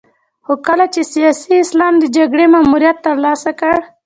خو کله چې سیاسي اسلام د جګړې ماموریت ترلاسه کړ.